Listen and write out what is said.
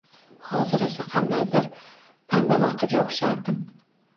Hozir esa, qandaydir pandavaqiga o`xshardim…